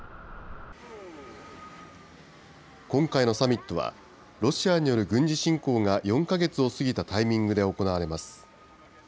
今回のサミットは、ロシアによる軍事侵攻が４か月を過ぎたタイミングで行われます。